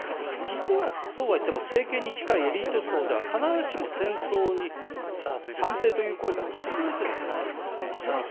実はそうはいっても、政権に近いエリート層では、必ずしも戦争に賛成という声が多数ではないんですね。